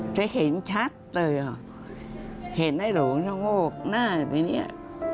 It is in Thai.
จะเห็นชัดเลยเห็นไอ้โหลงชะโงกหน้าไปเนี่ย